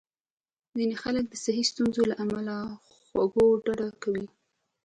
ځینې خلک د صحي ستونزو له امله له خوږو ډډه کوي.